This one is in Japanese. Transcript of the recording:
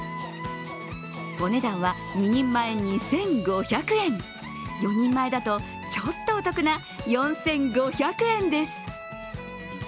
お値段は２人前２５００円４人前だとちょっとお得な４５００円です。